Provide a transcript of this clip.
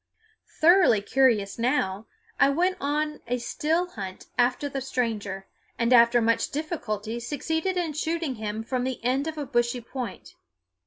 Thoroughly curious now, I went on a still hunt after the stranger, and after much difficulty succeeded in shooting him from the end of a bushy point.